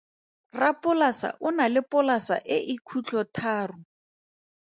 Rapolasa o na le polasa e e khutlotharo.